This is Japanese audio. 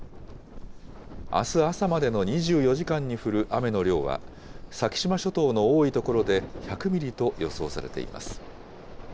あす朝までの２４時間に降る雨の量は、先島諸島の多い所で１００ミリと予想されています。